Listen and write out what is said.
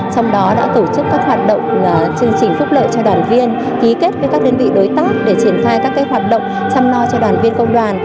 trong đó đã tổ chức các hoạt động chương trình phúc lợi cho đoàn viên ký kết với các đơn vị đối tác để triển khai các hoạt động chăm lo cho đoàn viên công đoàn